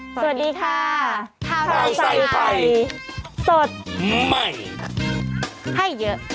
สวัสดีค่ะข้าวใส่ไข่สดใหม่ให้เยอะ